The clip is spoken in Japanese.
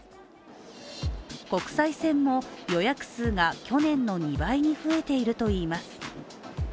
国際線も予約数が去年の２倍に増えているといいます。